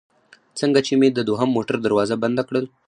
څنګه چې مې د دوهم موټر دروازه بنده کړل.